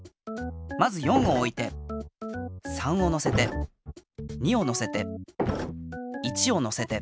まず４をおいて３をのせて２をのせて１をのせて。